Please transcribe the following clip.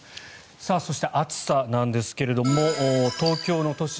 そして、暑さなんですが東京の都心